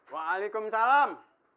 wa alaikum salam